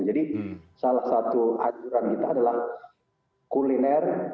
jadi salah satu anjuran kita adalah kuliner